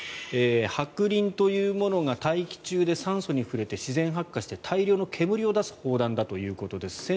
白リンというものが大気中で酸素に触れて自然発火して大量の煙を出す砲弾だということです。